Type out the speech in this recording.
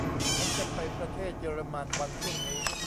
ฉันจะไปประเทศเยอรมันวันพรุ่งนี้